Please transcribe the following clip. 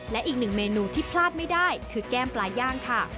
และอีกหนึ่งเมนูที่พลาดไม่ได้คือแก้มปลาย่างค่ะ